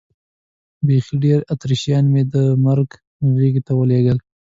بیخي ډېر اتریشیان مې د مرګ غېږې ته ور ولېږل.